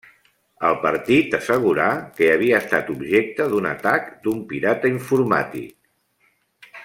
El partit assegurà que havia estat objecte d'un atac d'un pirata informàtic.